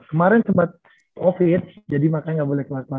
kemarin sempet covid jadi makanya gak boleh keluar keluar